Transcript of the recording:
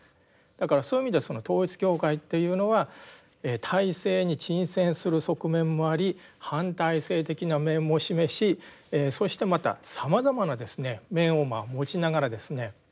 だからそういう意味では統一教会っていうのは体制に沈潜する側面もあり反体制的な面も示しそしてまたさまざまな面を持ちながらですね